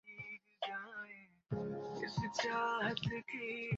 আর, eureka!